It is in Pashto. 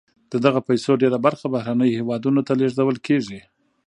د دغه پیسو ډیره برخه بهرنیو هېوادونو ته لیږدول کیږي.